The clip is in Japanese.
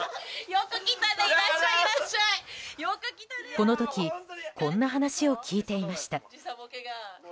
この時こんな話を聞いていました。